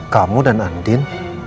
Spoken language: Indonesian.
kamu dan andin